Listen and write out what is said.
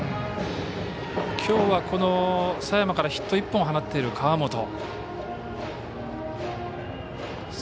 きょうは佐山からヒット１本放っている川元。